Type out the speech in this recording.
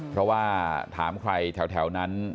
เพราะว่าถามใครแถวนั้น